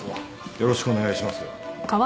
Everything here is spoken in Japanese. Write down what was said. よろしくお願いしますよ。